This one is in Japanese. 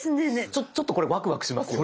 ちょっとこれワクワクしますよね！